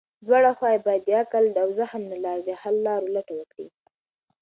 دواړه خواوې بايد د عقل او زغم له لارې د حل لارو لټه وکړي.